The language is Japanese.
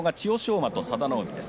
馬と佐田の海です。